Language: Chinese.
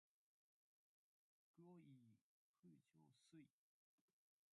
过一会就睡